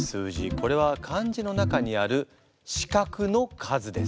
これは漢字の中にある四角の数です。